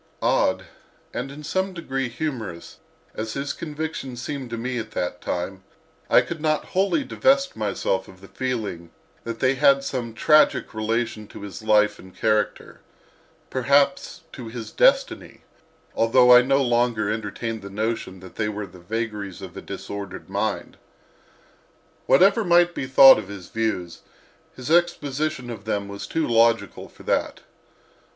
Odd, and in some degree humorous, as his convictions seemed to me at that time, I could not wholly divest myself of the feeling that they had some tragic relation to his life and character—perhaps to his destiny—although I no longer entertained the notion that they were the vagaries of a disordered mind. Whatever might be thought of his views, his exposition of them was too logical for that.